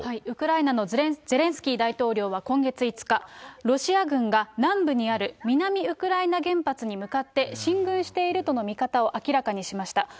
ウクライナのゼレンスキー大統領は今月５日、ロシア軍が南部にある南ウクライナ原発に向かって進軍しているとの見方を明らかにしました。